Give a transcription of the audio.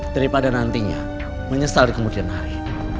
daripada nantinya menyesal di kemudian hari